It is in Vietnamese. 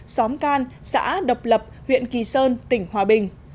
xóm can xã độc lập huyện kỳ sơn tỉnh hòa bình